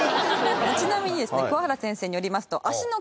ちなみにですね桑原先生によりますと。